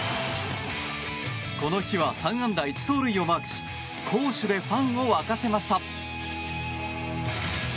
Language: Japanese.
この日は３安打１盗塁をマークし攻守でファンを沸かせました。